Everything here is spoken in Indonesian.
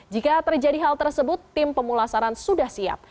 jika terjadi hal tersebut tim pemulasaran sudah siap